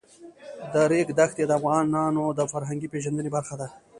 د ریګ دښتې د افغانانو د فرهنګي پیژندنې برخه ده.